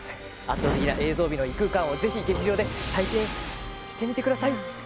圧倒的な映像美の異空間をぜひ劇場で体験してみてください